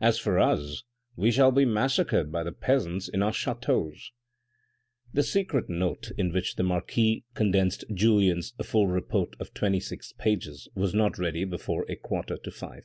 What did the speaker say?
As for us, we shall be massacred by the peasants in our ch&teaus." The secret note into which the marquis condensed Julien's full report of twenty six pages was not ready before a quarter to five.